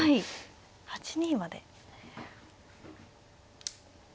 ８二まで。